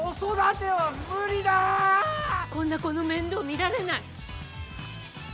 こんな子の面倒見られない。